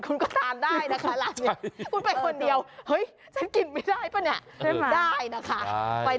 คุณก็กินได้นะครับ